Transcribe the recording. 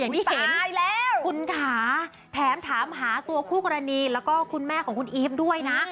ที่เห็นคุณค่ะแถมถามหาตัวคู่กรณีแล้วก็คุณแม่ของคุณอีฟด้วยนะ